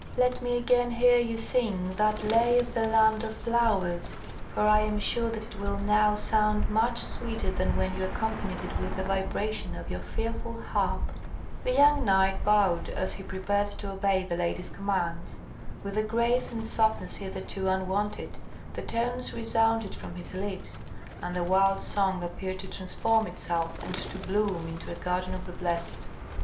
Let me again hear you sing that lay of the land of flowers; for I am sure that it will now sound much sweeter than when you accompanied it with the vibrations of your fearful harp." The young knight bowed as he prepared to obey the lady's commands. With a grace and softness hitherto unwonted, the tones resounded from his lips, and the wild song appeared to transform itself, and to bloom into a garden of the blessed.